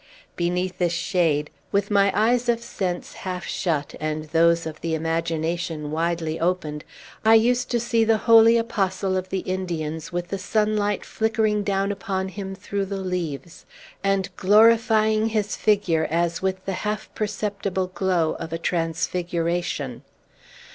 Beneath this shade (with my eyes of sense half shut and those of the imagination widely opened) I used to see the holy Apostle of the Indians, with the sunlight flickering down upon him through the leaves, and glorifying his figure as with the half perceptible glow of a transfiguration.